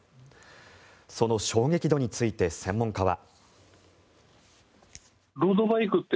その衝撃度について専門家は。